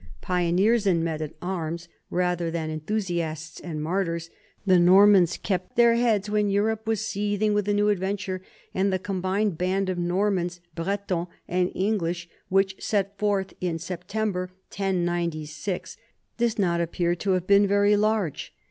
Pioneers and men at 212 NORMANS IN EUROPEAN HISTORY arms rather than enthusiasts and martyrs, the Normans kept their heads when Europe was seething with the new adventure, and the combined band of Normans, Bretons, and English which set forth in September, 1096, does not appear to have been very large.